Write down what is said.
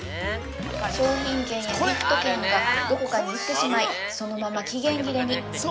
商品券やギフト券がどこかに行ってしまい、そのまま期限切れに。